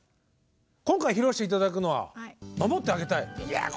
今回披露して頂くのは「守ってあげたい」。